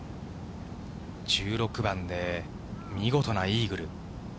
１６番で見事なイーグル。